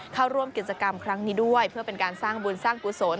เข้าร่วมกิจกรรมครั้งนี้ด้วยเพื่อเป็นการสร้างบุญสร้างกุศล